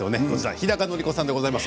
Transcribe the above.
日高のり子さんでございます。